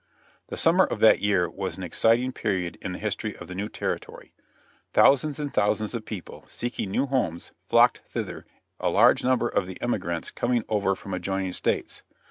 The summer of that year was an exciting period in the history of the new territory. Thousands and thousands of people, seeking new homes, flocked thither, a large number of the emigrants coming over from adjoining states.